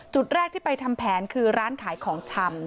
จุดแรกที่ไปทำแผนคือร้านขายของชำ